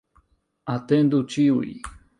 Atendu ĉiuj